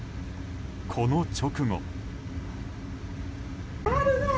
この直後。